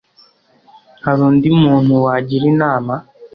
Hari undi muntu wagira inama?